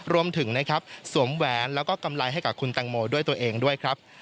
รวมถึงสวมแว้นและกำไรให้กับคุณแตงโมด้วยตัวเองด้วยครับ